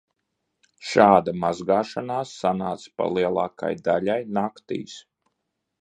Šāda mazgāšanās sanāca pa lielākai daļai naktīs.